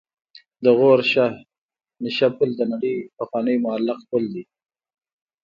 د غور شاهمشه پل د نړۍ پخوانی معلق پل دی